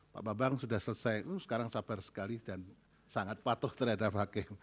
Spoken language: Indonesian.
pak bambang sudah selesai sekarang sabar sekali dan sangat patuh terhadap hakim